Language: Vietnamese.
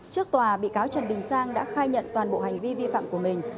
trước tòa bị cáo trần đình sang đã khai nhận toàn bộ hành vi vi phạm của mình